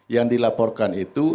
yang dilaporkan itu